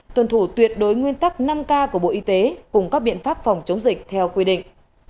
tuân thủ tuyệt đối nguyên tắc năm k của bộ y tế cùng các biện pháp phòng chống dịch theo quy định